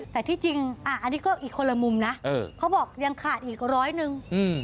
แต่ที่จริงอันนี้ก็อีกคนละมุมนะเขาบอกยังขาดอีกร้อยหนึ่ง